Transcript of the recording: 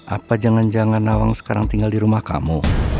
apa jangan jangan nawang sekarang tinggal di rumah kamu